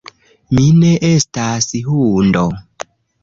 Mi ne estas hundo